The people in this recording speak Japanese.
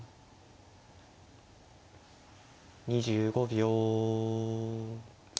２５秒。